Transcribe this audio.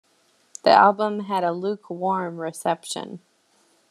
The album had a lukewarm reception.